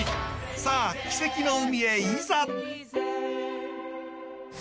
さあ奇跡の海へいざ！